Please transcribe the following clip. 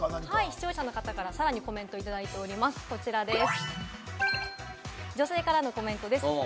視聴者の方からさらにコメントをいただいております、こちらです。